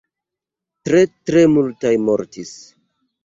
Tre tre multaj mortis.